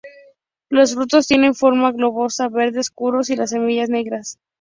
Los frutos tienen forma globosa, verde oscuros y las semillas negras.